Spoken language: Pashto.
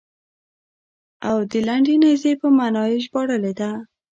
او د لنډې نېزې په معنا یې ژباړلې ده.